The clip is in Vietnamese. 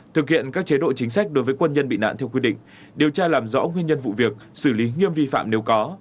thực hiện các chế độ chính sách đối với quân nhân bị nạn theo quy định điều tra làm rõ nguyên nhân vụ việc xử lý nghiêm vi phạm nếu có